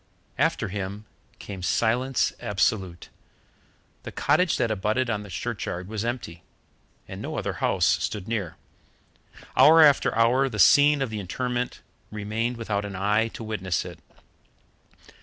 After him came silence absolute. The cottage that abutted on the churchyard was empty, and no other house stood near. Hour after hour the scene of the interment remained without an eye to witness it.